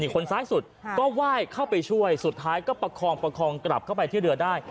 คนซ้ายสุดก็ไหว้เข้าไปช่วยสุดท้ายก็ประคองประคองกลับเข้าไปที่เรือได้